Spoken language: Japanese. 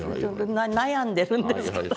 悩んでるんですから。